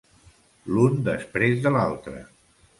L'un després de l'altre.